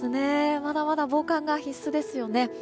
まだまだ防寒が必須ですよね。